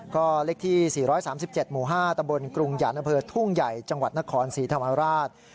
ก็เลขที่๔๓๗หมู่๕ตำบลกรุงหยานอำเภอทุ่งใหญ่จังหวัดนครศรีธรรมราช